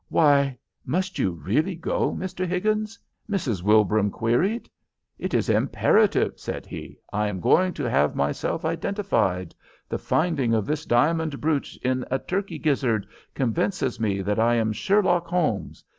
"'Why must you really go, Mr Higgins?' Mrs. Wilbraham queried "'It is imperative,' said he. 'I am going to have myself identified. The finding of this diamond brooch in a turkey gizzard convinces me that I am Sherlock Holmes.